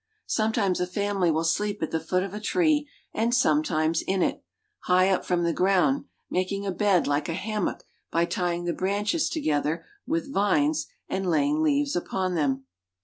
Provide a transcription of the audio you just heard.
Sometimes a family will ^^F sleep at the foot of a tree and sometimes in it, high up from 1 the ground, making a bed like a hammock by tying the branches together with vines and laying leaves upon them.